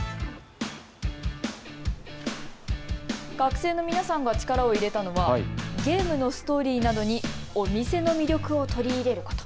学生の皆さんが力を入れたのはゲームのストーリーなどにお店の魅力を取り入れること。